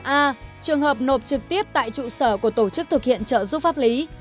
a trường hợp nộp trực tiếp tại trụ sở của tổ chức thực hiện trợ giúp pháp lý